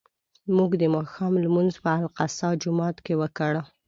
موږ د ماښام لمونځ په الاقصی جومات کې وکړ.